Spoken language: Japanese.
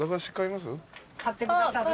買ってくださる？